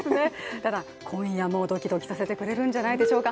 ただ、今夜もドキドキさせてくれるんじゃないでしょうか。